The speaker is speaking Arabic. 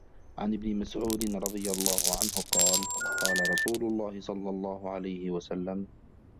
عنْ ابنِ مسعودٍ رَضِي اللهُ عَنْهُ قالَ: قالَ رسولُ اللهِ صَلَّى اللهُ عَلَيْهِ وَسَلَّمَ: